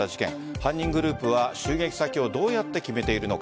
犯人グループは襲撃先をどうやって決めているのか。